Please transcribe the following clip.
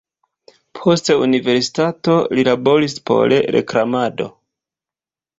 Post universitato li laboris por reklamado.